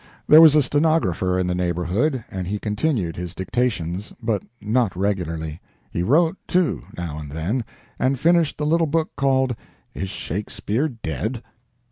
There was a stenographer in the neighborhood, and he continued his dictations, but not regularly. He wrote, too, now and then, and finished the little book called "Is Shakespeare Dead?"